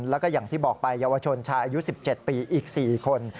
แล้วก็อย่างที่บอกไปเยาวชนชายอายุ๑๗ปีอีก๔คน